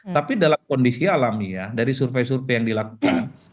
tapi dalam kondisi alami ya dari survei survei yang dilakukan